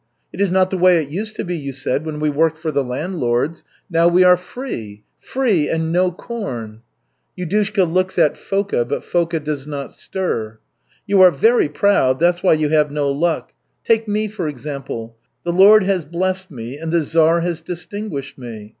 'It is not the way it used to be,' you said, 'when we worked for the landlords. Now we are free!' Free, and no corn!" Yudushka looks at Foka, but Foka does not stir. "You are very proud, that's why you have no luck. Take me, for example. The Lord has blessed me, and the Czar has distinguished me.